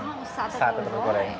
oh sate telur goreng